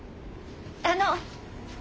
あの。